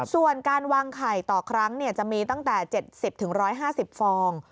ส่วนการวางไข่ต่อครั้งจะมีตั้งแต่๗๐๑๕๐ฟอง